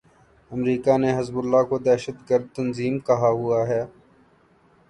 امریکا نے Hezbollah کو دہشت گرد تنظیم کہا ہوا ہے۔